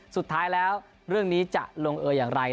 สุดท้ายแล้วเรื่องนี้จะลงเอออย่างไร